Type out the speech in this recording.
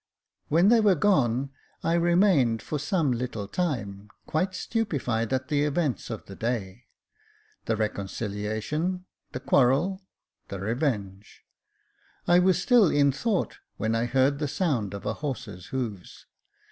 When they were gone, I remained for some little time quite stupefied at the events of the day. The reconciliation — the quarrel — the revenge. I was still in thought when I heard the sound of a horse's hoofs.